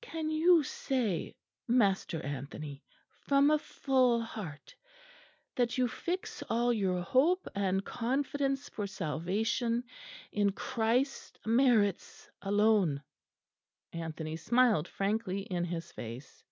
"Can you say, Master Anthony, from a full heart, that you fix all your hope and confidence for salvation in Christ's merits alone?" Anthony smiled frankly in his face.